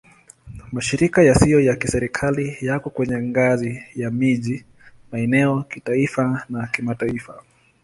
Mashirika yasiyo ya Kiserikali yako kwenye ngazi ya miji, maeneo, kitaifa na kimataifa.